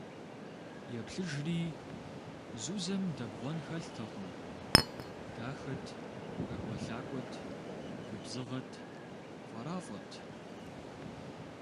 Еплъыжри - Зузэм дэбгъуэн хэлътэкъым: дахэт, ӏэкӏуэлъакӏуэт, губзыгъэт, фӏэрафӏэт!